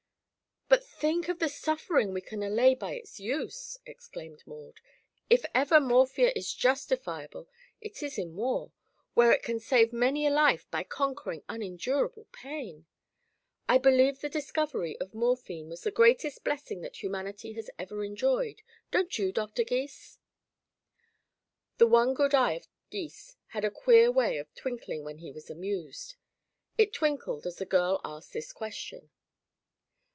"But think of the suffering we can allay by its use," exclaimed Maud. "If ever morphia is justifiable, it is in war, where it can save many a life by conquering unendurable pain. I believe the discovery of morphine was the greatest blessing that humanity has ever enjoyed. Don't you, Doctor Gys?" The one good eye of Gys had a queer way of twinkling when he was amused. It twinkled as the girl asked this question.